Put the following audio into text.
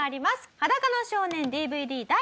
『裸の少年』ＤＶＤ第３弾。